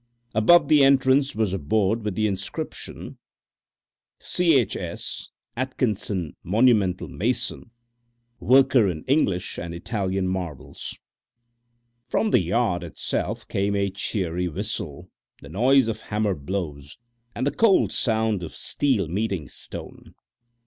Above the entrance was a board with the inscription CHS. ATKINSON, MONUMENTAL MASON WORKER IN ENGLISH AND ITALIAN MARBLES From the yard itself came a cheery whistle, the noise of hammer blows, and the cold sound of steel meeting stone.